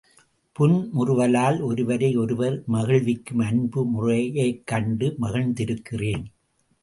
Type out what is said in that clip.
புன்முறுவலால் ஒருவரை ஒருவர் மகிழ்விக்கும் அன்பு முறையைக் கண்டு மகிழ்ந்து இருக்கிறேன்.